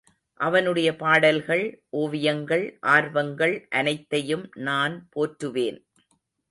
அவனுடைய பாடல்கள், ஓவியங்கள், ஆர்வங்கள் அனைத்தையும் நான் போற்றுவேன்.